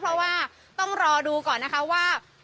เพราะว่าต้องรอดูก่อนนะคะว่า